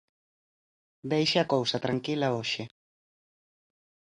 Deixe a cousa tranquila hoxe.